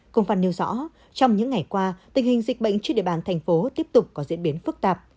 công văn nêu rõ trong những ngày qua tình hình dịch bệnh trên địa bàn thành phố tiếp tục có diễn biến phức tạp